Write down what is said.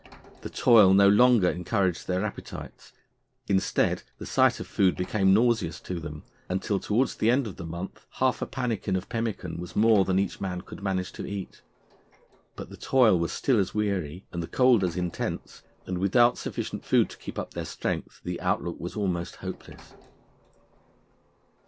The toil no longer encouraged their appetites; instead, the sight of food became nauseous to them, until towards the end of the month half a pannikin of pemmican was more than each man could manage to eat. But the toil was still as weary, and the cold as intense, and without sufficient food to keep up their strength, the outlook was almost hopeless.